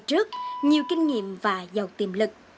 trong năm hai nghìn một mươi bảy